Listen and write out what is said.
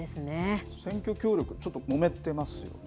選挙協力ちょっともめてますよね。